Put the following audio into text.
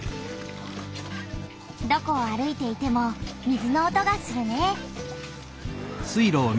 どこを歩いていても水の音がするね！